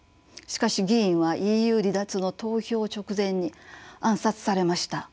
しかし議員はＥＵ離脱の投票直前に暗殺されました。